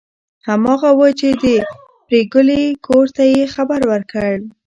هماغه وه چې د پريګلې کور ته یې خبر ورکړ